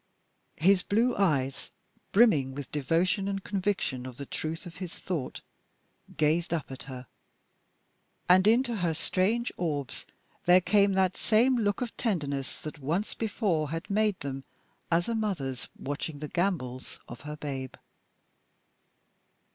His blue eyes, brimming with devotion and conviction of the truth of his thought, gazed up at her. And into her strange orbs there came that same look of tenderness that once before had made them as a mother's watching the gambols of her babe.